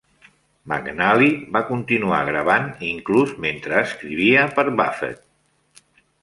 McAnally va continuar gravant inclús mentre escrivia per Buffett.